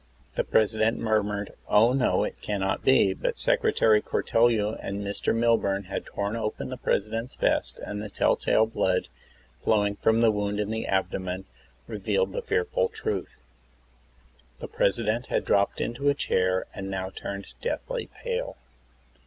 The President murmured, 'Oh, no, it cannot be!' But Secretary Cortelyou and Mr. Milburn had torn open the President's vest, and the telltale blood, flowing from the wound in the abdomen, revealed the fearful truth. The President had dropped into a chair and now turned deathly pale.